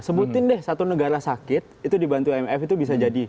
sebutin deh satu negara sakit itu dibantu imf itu bisa jadi